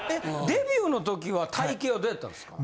・デビューの時は体形はどうやったんですか？